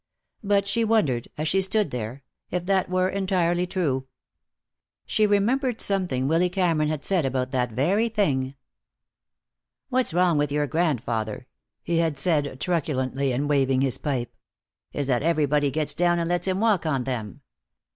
But she wondered, as she stood there, if that were entirely true. She remembered something Willy Cameron had said about that very thing. "What's wrong with your grandfather," he had said, truculently, and waving his pipe, "is that everybody gets down and lets him walk on them.